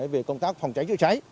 về công tác phòng cháy chữa cháy